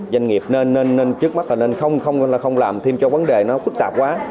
doanh nghiệp nên trước mắt là nên không làm thêm cho vấn đề nó phức tạp quá